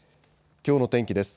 きょうの天気です。